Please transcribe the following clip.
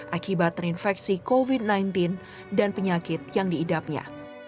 akibat terinfeksi covid sembilan belas dan penyakit yang diidapnya